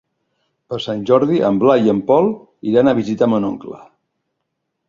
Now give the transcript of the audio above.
Per Sant Jordi en Blai i en Pol iran a visitar mon oncle.